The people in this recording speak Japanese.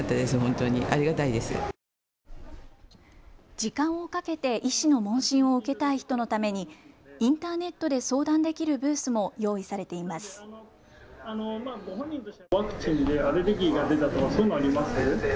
時間をかけて医師の問診を受けたい人のためにインターネットで相談できるブースも用意されています。